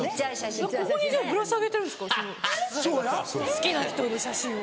好きな人の写真を？